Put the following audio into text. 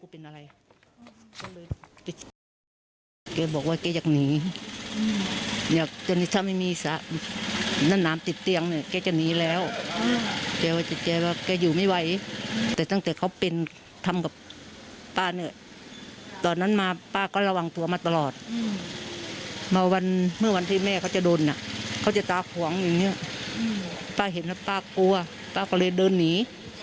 ป้าเห็นแล้วป้ากลัวป้าก็เลยเดินหนี